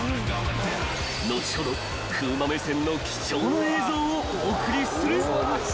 ［後ほど風磨目線の貴重な映像をお送りする］